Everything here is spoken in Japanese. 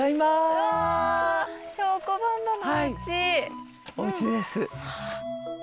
はいおうちです。